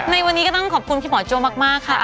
ในวันนี้ก็ต้องขอบคุณพี่หมอโจ้มากค่ะ